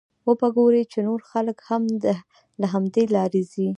وبه ګورې چې نور خلک هم له همدې لارې ځي.